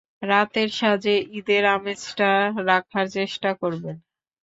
রাতের সাজে ঈদের আমেজটা রাখার চেষ্টা করবেন।